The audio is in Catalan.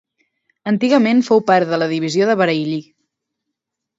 Antigament fou part de la divisió de Bareilly.